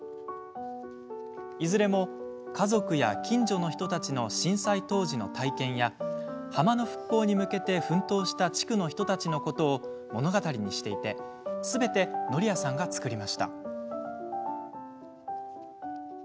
いずれも家族や近所の人たちの震災当時の体験や浜の復興に向けて奮闘した地区の人たちのことを物語にしていてすべて則也さんが作りました。